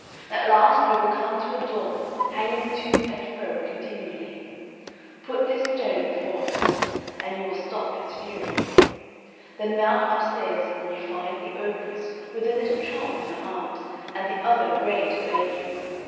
At last you will come to a door, banging to and fro continually; put this stone before it, and you will stop its fury. Then mount upstairs and you find the ogress, with a little child in her arms, and the oven ready heated to bake you.